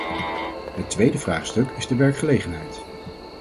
Het tweede vraagstuk is de werkgelegenheid.